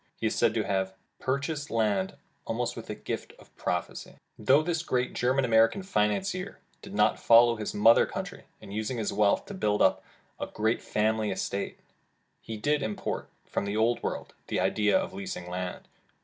He is said to have "purchased land almost with a gift of prophecy. '' Though this great German American financier, did not follow his mother country in using his wealth to set up a grand family estate, he did import from the old world the idea of leasing his land.